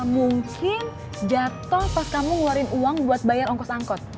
mungkin jatuh pas kamu ngeluarin uang buat bayar ongkos angkot